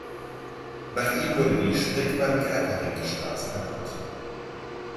Nach ihm wurde die "Sprickmann-Kerkerinck-Straße" benannt.